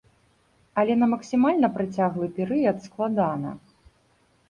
Але на максімальна працяглы перыяд складана.